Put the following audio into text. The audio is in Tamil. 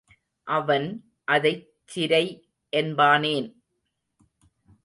அவன் அதைச் சிரை என்பானேன்?